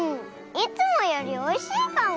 いつもよりおいしいかも！